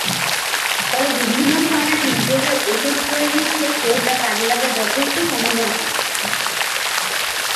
ফলে বিভিন্ন ধরনের হৃদরোগের ওষুধ তৈরির ক্ষেত্রেও তা কাজে লাগার যথেষ্ট সম্ভাবনা আছে।